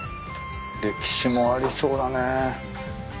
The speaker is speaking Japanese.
歴史もありそうだね。